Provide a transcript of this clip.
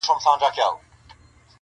چي هر څوک سي بې عزته نوم یې ورک سي-